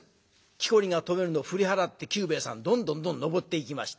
きこりが止めるのを振り払って久兵衛さんどんどんどんどん登っていきました。